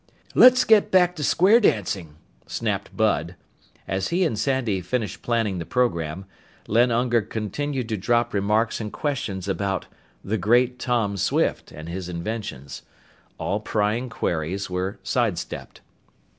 "Let's get back to square dancing," snapped Bud. As he and Sandy finished planning the program, Len Unger continued to drop remarks and questions about "The Great Tom Swift" and his inventions. All prying queries were side stepped.